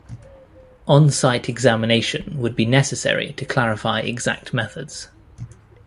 On-site examination would be necessary to clarify exact methods.